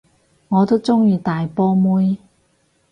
我都鍾意大波妹